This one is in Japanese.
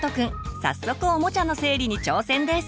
早速おもちゃの整理に挑戦です！